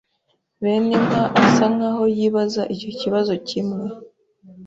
Beninka asa nkaho yibaza icyo kibazo kimwe.